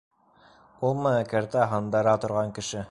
Улмы кәртә һындыра торған кеше!